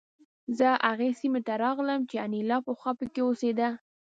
زه هغې سیمې ته راغلم چې انیلا پخوا پکې اوسېده